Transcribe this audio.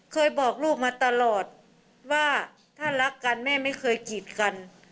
เคยบอกลูกมาตลอดว่าถ้ารักกันแม่ไม่เคยกีดกัน